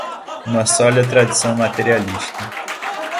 uma sólida tradição materialista